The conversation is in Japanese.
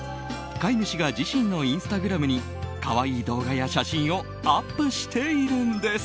飼い主が自身のインスタグラムに可愛い動画や写真をアップしているんです。